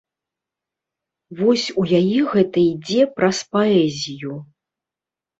Вось у яе гэта ідзе праз паэзію.